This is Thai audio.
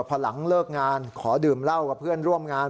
พอหลังเลิกงานขอดื่มเหล้ากับเพื่อนร่วมงาน